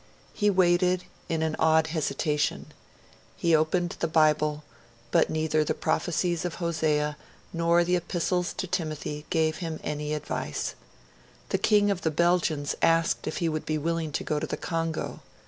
He waited, in an odd hesitation. He opened the Bible, but neither the prophecies of Hosea nor the epistles to Timothy gave him any advice. The King of the Belgians asked if he would be willing to go to the Congo.